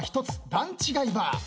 段違いバー。